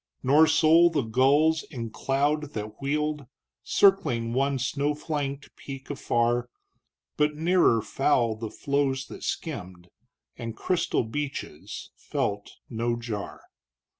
Nor sole the gulls in cloud that wheeled Circling one snow flanked peak afar, But nearer fowl the floes that skimmed And crystal beaches, felt no jar.